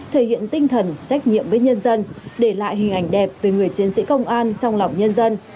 thể hiện tinh thần trách nhiệm với nhân dân để lại hình ảnh đẹp về người chiến sĩ công an trong lòng nhân dân